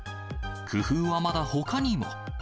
工夫はまだほかにも。